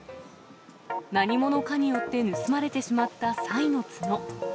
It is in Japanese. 何者かによって盗まれてしまったサイの角。